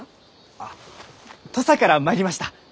あ土佐から参りました！